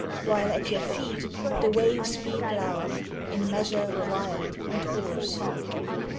While at your feet the waves beat loud In measure wild and hoarse.